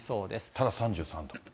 ただ３３度。